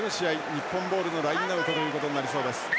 日本ボールのラインアウトということになりそうです。